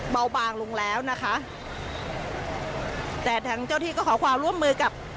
เบาบางลงแล้วนะคะแต่ทางเจ้าที่ก็ขอความร่วมมือกับ